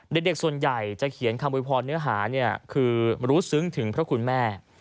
เด็กส่วนใหญ่จะเขียนคำโวยพรเนื้อหาเนี่ยคือรู้ซึ้งถึงพระคุณแม่